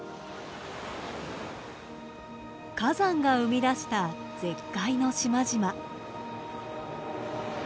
火山が生み出した絶海の島々。